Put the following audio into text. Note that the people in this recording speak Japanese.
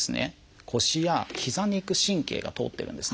腰やひざに行く神経が通ってるんですね。